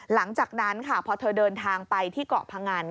หลังจากนั้นค่ะพอเธอเดินทางไปที่เกาะพงัน